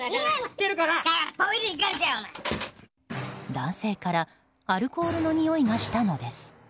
男性からアルコールのにおいがしたのです。